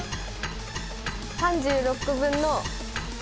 ３６分の。